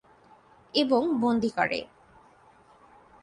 এবং বন্দী করে।